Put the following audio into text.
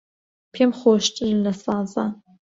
پێم خۆشترن لە سازان